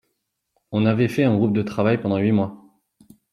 On avait fait un groupe de travail pendant huit mois.